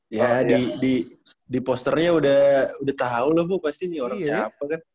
ya di posternya udah tahu loh bu pasti nih orang siapa kan